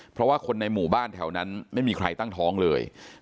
เพราะว่าคนในหมู่บ้านแถวนั้นไม่มีใครตั้งท้องเลย